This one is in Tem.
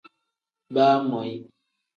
Baamoyi.